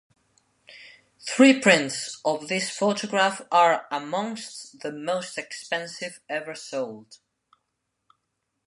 Three prints of this photograph are amongst the most expensive ever sold.